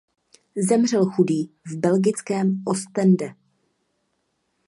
Zemřel chudý v belgickém Ostende.